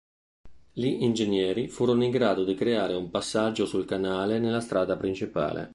Gli ingegneri furono in grado di creare un passaggio sul canale nella strada principale.